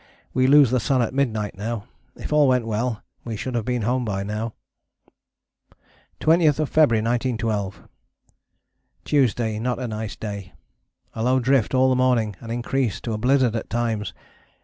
We lose the sun at midnight now. If all had went well we should have been home by now. 20th February 1912. Tuesday not a nice day. A low drift all the morning and increased to a blizzard at times.